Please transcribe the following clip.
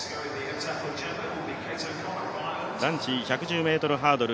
男子１１０ｍハードル